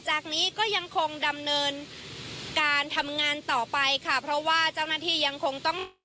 จากนี้ก็ยังคงดำเนินการทำงานต่อไปค่ะเพราะว่าเจ้าหน้าที่ยังคงต้อง